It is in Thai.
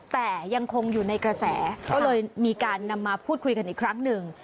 แต่ยังคงอยู่ในกระแสก็เลยมีการนำมาพูดคุยกันอีกครั้งหนึ่ง